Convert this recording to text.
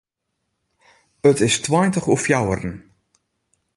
It is tweintich oer fjouweren.